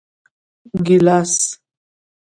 🍒 ګېلاس